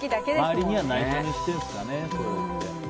周りには内緒にしてるんですかね。